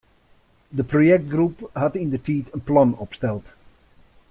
De projektgroep hat yndertiid in plan opsteld.